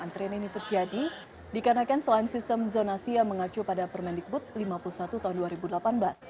antrian ini terjadi dikarenakan selain sistem zonasi yang mengacu pada permendikbud lima puluh satu tahun dua ribu delapan belas